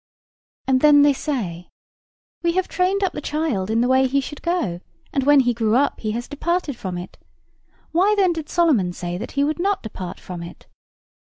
And then they say, "We have trained up the child in the way he should go, and when he grew up he has departed from it. Why then did Solomon say that he would not depart from it?"